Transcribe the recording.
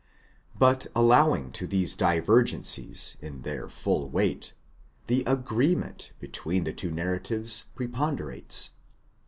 But allowing to these divergencies their full weight, the agreement between the two narratives preponderates.